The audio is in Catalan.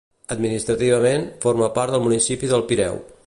Administrativament, forma part del municipi del Pireu.